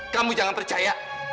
kamu jangan percaya